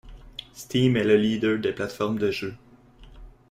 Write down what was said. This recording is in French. Steam est le leader des plateformes de jeux.